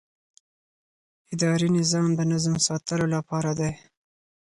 اداري نظام د نظم ساتلو لپاره دی.